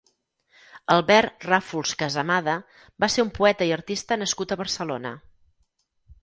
Albert Ràfols-Casamada va ser un poeta i artista nascut a Barcelona.